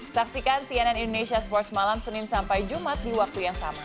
saksikan cnn indonesia sports malam senin sampai jumat di waktu yang sama